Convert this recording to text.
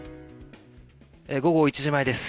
午後１時前です。